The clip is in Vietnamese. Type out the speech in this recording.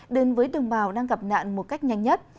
đến với đồng bào đang gặp nạn một cách nhanh nhất